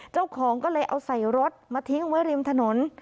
เจ้าของก็เลยเอาใส่รถมาทิ้งไว้ริมถนน